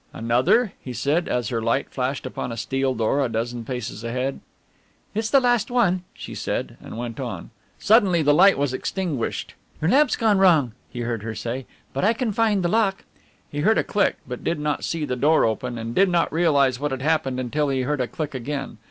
"Another?" he said, as her light flashed upon a steel door a dozen paces ahead. "It is the last one," she said, and went on. Suddenly the light was extinguished. "Your lamp's gone wrong," he heard her say, "but I can find the lock." He heard a click, but did not see the door open and did not realize what had happened until he heard a click again.